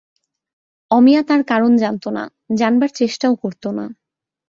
অমিয়া তার কারণ জানত না, জানবার চেষ্টাও করত না।